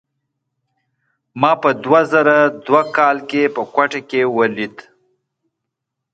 ما دوه زره دوه کال کې په کوټه کې ولید.